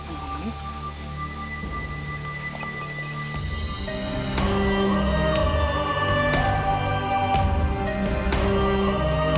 aku ingin menyelesaikannya